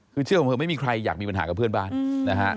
คือเชื่อของเธอไม่มีใครอยากมีปัญหากับเพื่อนบ้านนะฮะ